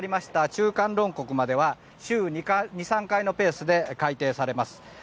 中間論告までは週２３回のペースで開廷されます。